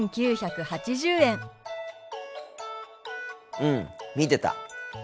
うん見てた。